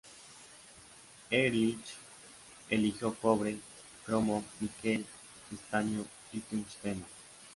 Ehrlich eligió cobre, cromo, níquel, estaño y tungsteno.